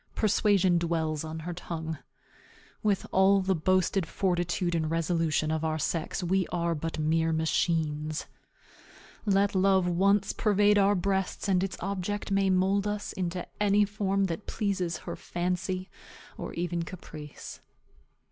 Persuasion dwells on her tongue. With all the boasted fortitude and resolution of our sex, we are but mere machines. Let love once pervade our breasts, and its object may mould us into any form that pleases her fancy, or even caprice.